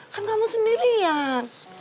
kan kamu sendirian